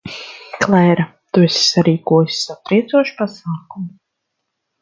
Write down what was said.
Klēra, tu esi sarīkojusi satriecošu pasākumu.